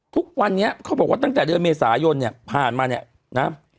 ทุกวันนี้เขาบอกว่าตั้งแต่เดือนเมษายนเนี่ยผ่านมาเนี่ยนะ